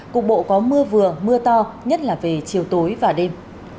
cục bộ có mưa vừa mưa to nhất là về chiều tối và đêm